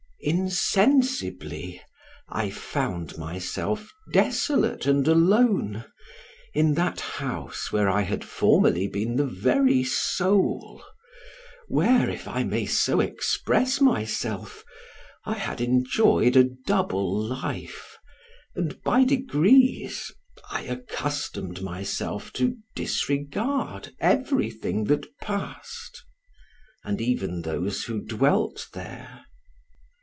Insensibly, I found myself desolate and alone in that house where I had formerly been the very soul; where, if I may so express myself, I had enjoyed a double life, and by degrees, I accustomed myself to disregard everything that, passed, and even those who dwelt there.